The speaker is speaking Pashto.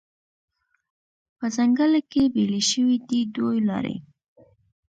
په ځنګله کې بیلې شوې دي دوې لارې